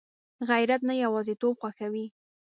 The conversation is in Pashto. غیرت نه یوازېتوب خوښوي